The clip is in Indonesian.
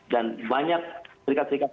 dan banyak serikat serikat